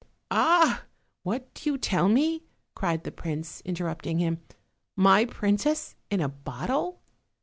"Ah; what do you tell me," cried the prince, inter rupting him, "my princess in a bottle?"